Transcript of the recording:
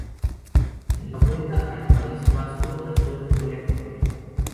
En la Vuelta al País Vasco la suerte no le acompañó.